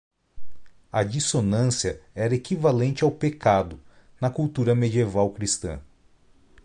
A dissonância era equivalente ao pecado na cultura medieval cristã.